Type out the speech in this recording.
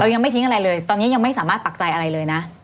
ยังไม่ทิ้งอะไรเลยตอนนี้ยังไม่สามารถปักใจอะไรเลยนะ